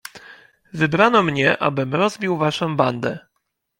"Wybrano mnie, abym rozbił waszą bandę."